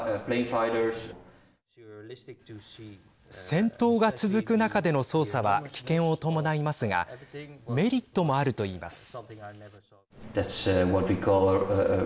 戦闘が続く中での捜査は危険を伴いますがメリットもあるといいます。